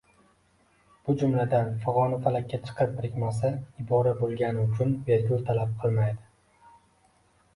Bu jumlada fig‘oni falakka chiqib birikmasi ibora bo‘lgani uchun vergul talab qilmaydi.